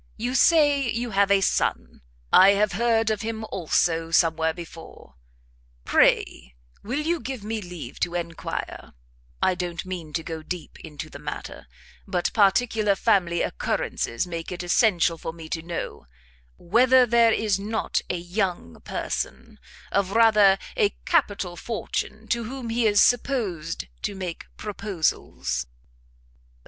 You say you have a son; I have heard of him, also, somewhere before; pray will you give me leave to enquire I don't mean to go deep into the matter, but particular family occurrences make it essential for me to know, whether there is not a young person of rather a capital fortune, to whom he is supposed to make proposals?"